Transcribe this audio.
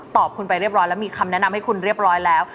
คุณไปเรียบร้อยแล้วมีคำแนะนำให้คุณเรียบร้อยแล้ว